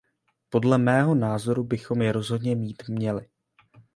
Podle mého názoru bychom je rozhodně mít měli.